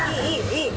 おっ！